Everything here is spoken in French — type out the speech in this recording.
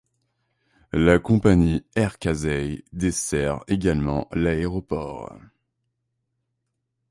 La compagnies Air Kasay dessert également l'aéroport.